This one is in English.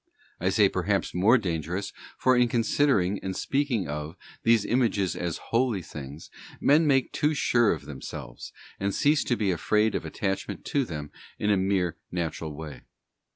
I say perhaps more danger ous, for in considering, and speaking of, these images as holy things, men make too sure of themselves, and cease to be afraid of attachment to them in a mere natural way.